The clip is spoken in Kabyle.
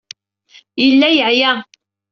Yella yeɛya.